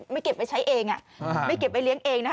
ไม่เก็บไปใช้เองไม่เก็บไปเลี้ยงเอง